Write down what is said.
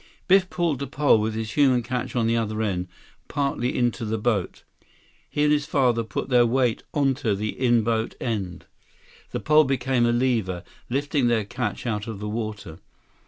168 Biff pulled the pole, with his human catch on the other end, partly into the boat. He and his father put their weight onto the in boat end. The pole became a lever, lifting their catch out of the water.